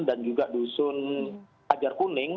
dan juga dusun hajar kuning